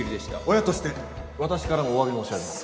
親としてお詫び申し上げます